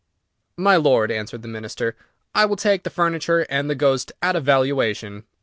"My Lord," answered the Minister, "I will take the furniture and the ghost at a valuation.